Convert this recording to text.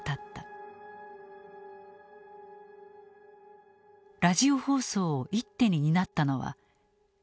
ラジオ放送を一手に担ったのは日本放送協会。